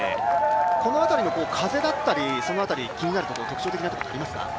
この辺りの風だったり気になるところ、特徴的なところはありますか？